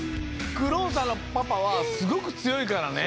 クローサのパパはすごくつよいからね。